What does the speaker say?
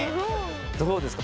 どうですか？